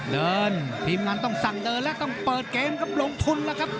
ทีมงานต้องสั่งเดินแล้วต้องเปิดเกมครับลงทุนแล้วครับ